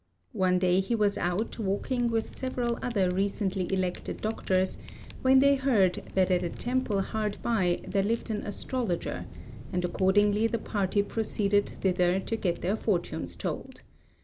One day he was out walking with several other recently elected doctors, when they heard that at a temple hard by there lived an astrologer, and accordingly the party proceeded thither to get their fortunes told.